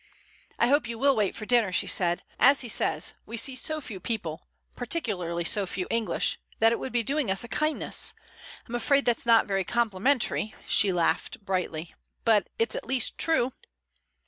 "I hope you will wait for dinner," she said. "As he says, we see so few people, and particularly so few English, that it would be doing us a kindness. I'm afraid that's not very complimentary"—she laughed brightly—"but it's at least true."